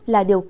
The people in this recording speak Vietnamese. là điều nhất